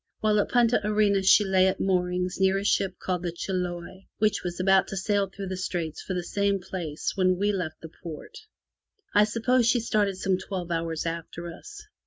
While at Punta Arenas she lay at moorings near a ship called the Chiloe, which was about to sail through the Straits for the same place when we left the port. I suppose she started some twelve hours after us.